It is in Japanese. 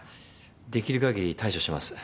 できるかぎり対処します。